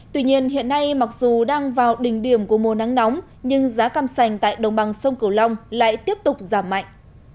tuy nhiên hiện nay mặc dù đang vào đỉnh điểm của mùa nắng nóng nhưng giá cam sành tại đồng bằng sông cửu long lại tiếp tục giảm mạnh